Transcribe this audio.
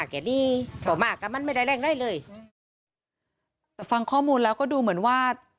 คนที่ฟังข้อมูลแล้วก็ดูเหมือนว่า